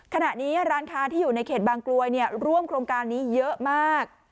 ขณะนี้ร้านค้าที่อยู่ในเขตบางกลวยร่วมโครงการนี้เยอะมาก